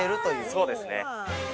◆そうですね。